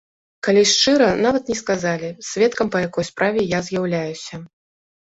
Калі шчыра, нават не сказалі, сведкам па якой справе я з'яўляюся.